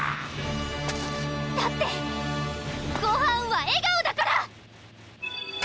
だって「ごはんは笑顔」だから！